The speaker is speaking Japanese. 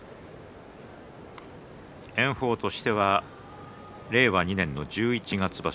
炎鵬としては令和２年の十一月場所